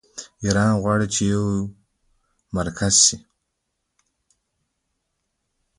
ایران غواړي چې یو مرکز شي.